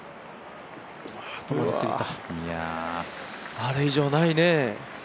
あれ以上、ないね。